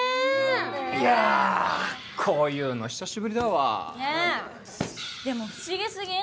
いやあこういうの久しぶりだわねえでも不思議すぎん？